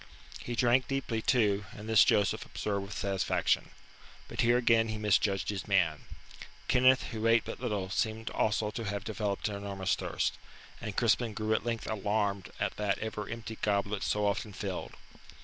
He drank deeply too, and this Joseph observed with satisfaction. But here again he misjudged his man. Kenneth, who ate but little, seemed also to have developed an enormous thirst, and Crispin grew at length alarmed at that ever empty goblet so often filled.